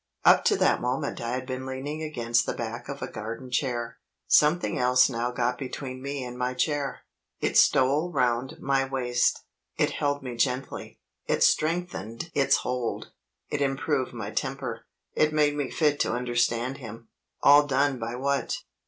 Up to that moment I had been leaning against the back of a garden chair. Something else now got between me and my chair. It stole round my waist it held me gently it strengthened its hold it improved my temper it made me fit to understand him. All done by what?